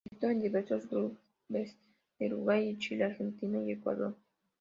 Militó en diversos clubes de Uruguay, Chile, Argentina y Ecuador.